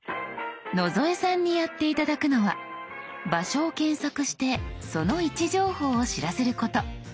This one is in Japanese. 野添さんにやって頂くのは場所を検索してその位置情報を知らせること。